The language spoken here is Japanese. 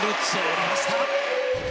降りました。